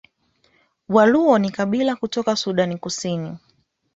Waluo ni kabila kutoka Sudan Kusini